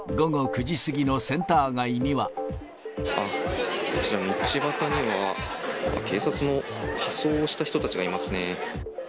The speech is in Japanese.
一方、あっ、こちら道端には、警察の仮装をした人たちがいますね。